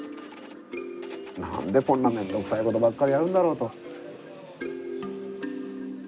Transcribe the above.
何でこんなめんどくさいことばっかりやるんだろうと。